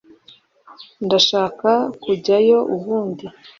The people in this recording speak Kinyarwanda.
ndashaka kujyayo ubundi